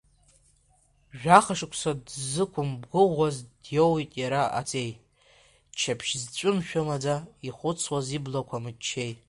Жәаха шықәса дызқәымгәыӷуаз диоуит иара аҵеи, ччаԥшь зҵымшәо маӡа ихәыцуаз иблақәа мыччеи!